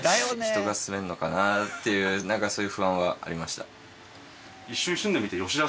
「人が住めんのかなあ」っていうそういう不安はありました。